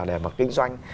để mà kinh doanh